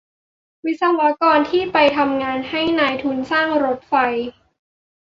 วิศวกรที่ไปทำงานให้นายทุนสร้างรถไฟ